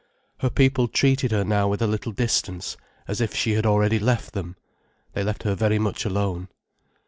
Her people treated her now with a little distance, as if she had already left them. They left her very much alone.